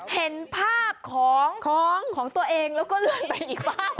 เห็นภาพของตัวเองแล้วก็เลื่อนไปอีกบ้าง